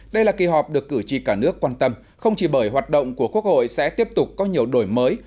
đây là kỳ họp được cử tri cả nước quan tâm không chỉ bởi hoạt động của quốc hội sẽ tiếp tục có nhiều đổi mới